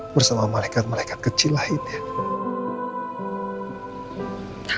bersama malaikat malaikat kecil lainnya